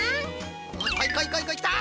こいこいこいこいきた！